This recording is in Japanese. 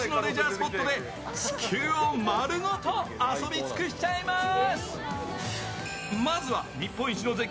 スポットで地球を丸ごと遊び尽くしちゃいまーす。